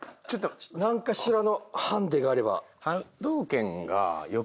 なんかしらのハンデがあれば。